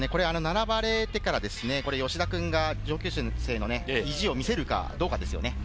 並ばれてから、吉田くんが上級生の意地を見せるかどうかですね。